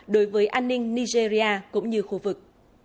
đối với an ninh nigeria cũng như khu vực